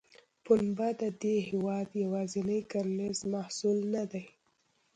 پنبه د دې هېواد یوازینی کرنیز محصول نه دی.